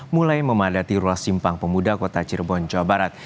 mulai memadati ruas simpang pemuda kota cirebon jawa barat